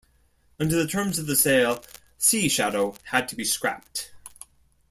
Under the terms of the sale "Sea Shadow" had to be scrapped.